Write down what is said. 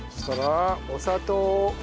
お砂糖。